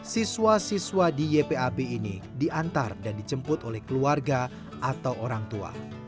siswa siswa di ypab ini diantar dan dijemput oleh keluarga atau orang tua